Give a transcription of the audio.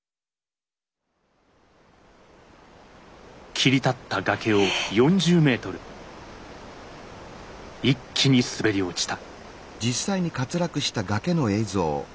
切り立った崖を４０ｍ一気に滑り落ちた。